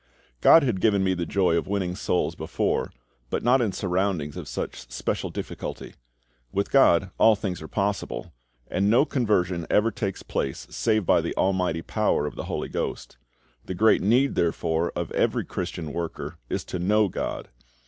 GOD had given me the joy of winning souls before, but not in surroundings of such special difficulty. With GOD all things are possible, and no conversion ever takes place save by the almighty power of the HOLY GHOST. The great need, therefore, of every Christian worker is to know GOD.